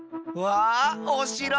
あおしろ！